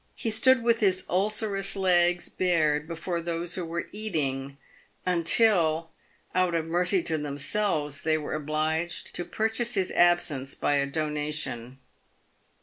He stood with his ulcerous legs bared before those who were eating, until, out of mercy to themselves, they were obliged to purchase his absence by a donation.